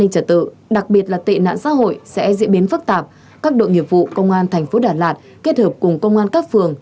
sẽ diễn biến phức tạp các đội nghiệp vụ công an thành phố đà lạt kết hợp cùng công an các phường